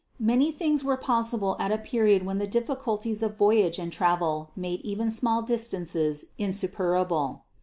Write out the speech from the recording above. Many things were possible at a period when the difficulties of voyage and travel made even small distances insuperable.